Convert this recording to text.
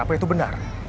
apa itu benar